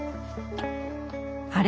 あれ？